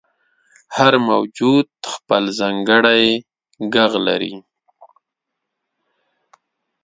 • هر موجود خپل ځانګړی ږغ لري.